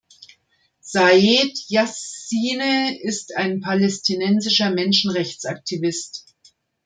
Saed Yassine ist ein palästinensischer Menschenrechtsaktivist.